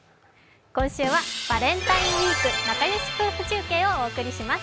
今週はバレンタインウイーク、仲良し夫婦中継をお送りします。